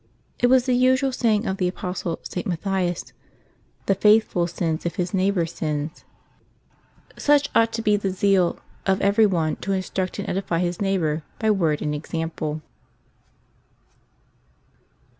It was the usual saying of the apostle St. Matthias, '' The faithful sins if his neighbor sins." Such ought to be the zeal of every one to instruct and edify his neighbor by word and example.